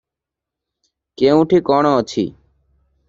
କେଉଁଠି କଣ ଅଛି?